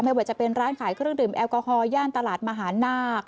ว่าจะเป็นร้านขายเครื่องดื่มแอลกอฮอลย่านตลาดมหานาค